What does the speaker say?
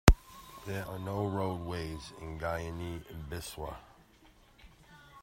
There are no railways in Guinea-Bissau.